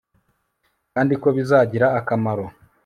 kandi ko bizagira akamaro